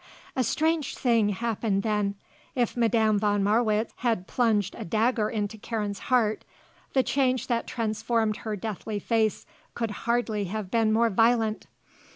A strange thing happened then. If Madame von Marwitz had plunged a dagger into Karen's heart, the change that transformed her deathly face could hardly have been more violent.